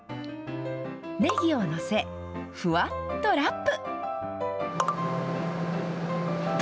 ねぎを載せ、ふわっとラップ。